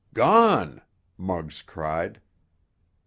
"Gone!" Muggs cried.